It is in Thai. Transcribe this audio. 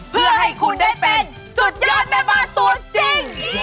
เพื่อให้คุณได้เป็นสุดยอดแม่บ้านตัวจริง